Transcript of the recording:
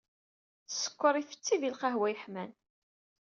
Skeṛ ifetti di lqehwa yeḥman.